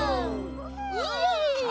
イエイ！